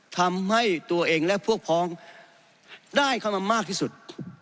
ทำให้ตัวเองและพวกพ้องได้เข้ามามากที่สุด